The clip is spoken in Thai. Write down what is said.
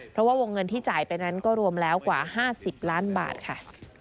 เพราะว่าวงเงินที่จ่ายไปนั้นก็รวมแล้วกว่า๕๐ล้านบาทค่ะ